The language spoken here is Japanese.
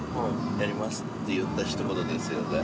やります」って言ったひと言ですよね。